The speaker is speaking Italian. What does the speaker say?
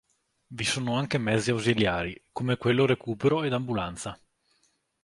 Vi sono anche mezzi ausiliari, come quello recupero ed ambulanza.